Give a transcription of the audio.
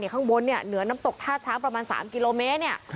ข้างบนเนี่ยเหนือน้ำตกท่าช้างประมาณ๓กิโลเมตรเนี่ย